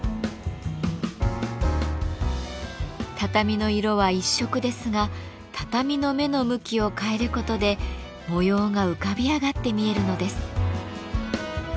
畳の色は一色ですが畳の目の向きを変えることで模様が浮かび上がって見えるのです。